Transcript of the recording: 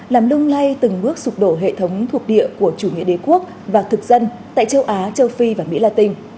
làm lung lay từng bước sụp đổ hệ thống thuộc địa của chủ nghĩa đế quốc và thực dân tại châu á châu phi và mỹ latin